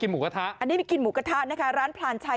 หมูกระทะอันนี้ไปกินหมูกระทะนะคะร้านพลานชัย